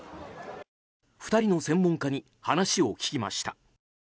２人の専門家に話を聞きました。